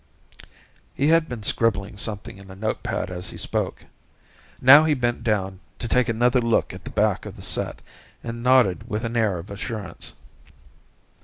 He had been scribbling something on a notepad, as he spoke. Now he bent down, to take another look at the back of the set, and nodded with an air of assurance.